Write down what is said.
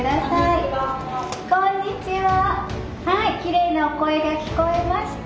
はいきれいなお声が聞こえました。